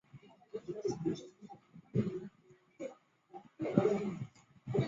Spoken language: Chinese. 酒楼名称以著名小说角色楚留香命名。